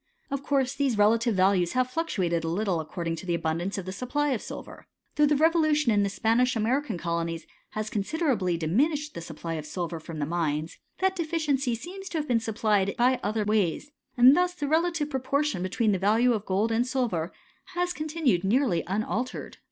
Of course these relative values have fluctuated a little according to the abundance of the supply of silver. Though the revolution in the Spanish American colonies has con 1 siderably diminished the supply of silver from th^ mines, that deficiency seems to have been supplied by other ways, and thus the relative proportion betweea the value of gold and silver has continued nearly un altered.